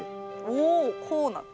おおこうなんだ。